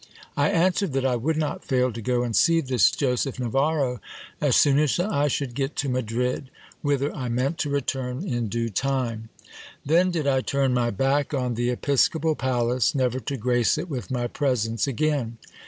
I answered that I would not fail to go and see this Joseph Navarro as soon as I should get to Madrid, whither I meant to return in due 236 GIL BLAS. time. Then did I turn my back on the episcopal palace, never to grace it with my presence again.